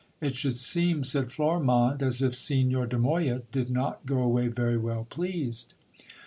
It should seem, said Florimonde, as if Signor de Moya did not go away very well pleased.